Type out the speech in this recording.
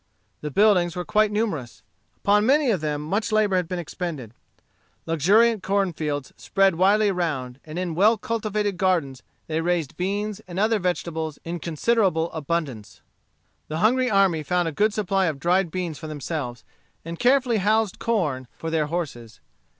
The buildings were quite numerous. Upon many of them much labor had been expended. Luxuriant corn fields spread widely around, and in well cultivated gardens they raised beans and other vegetables in considerable abundance. The hungry army found a good supply of dried beans for themselves, and carefully housed corn for their horses.